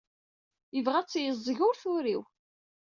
Yebɣa ad tt-yeẓzeg, ur turiw.